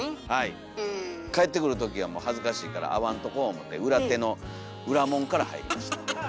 帰ってくるときはもう恥ずかしいから会わんとこ思て裏手の裏門から入りました。